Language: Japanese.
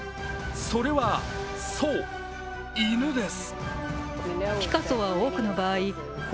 それは、そう、犬です。